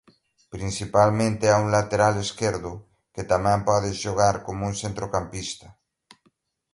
Principalmente é un lateral esquerdo que tamén pode xogar coma un centrocampista.